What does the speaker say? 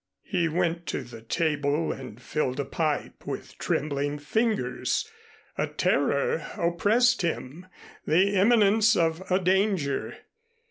He went to the table and filled a pipe with trembling fingers. A terror oppressed him, the imminence of a danger.